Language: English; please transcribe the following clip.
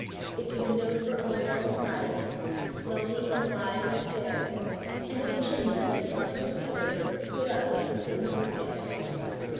Its windows were oriel and latticed, Lowly and wide and fair; And its chimneys like clustered pillars Stood up in the thin blue air.